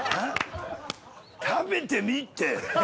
食べてみって。